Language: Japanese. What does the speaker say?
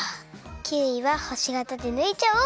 キウイはほしがたでぬいちゃおう。